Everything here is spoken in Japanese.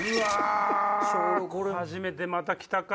初めてまた来たか。